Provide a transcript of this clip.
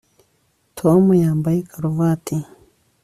Tom yambaye karuvati